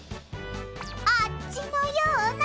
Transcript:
あっちのような。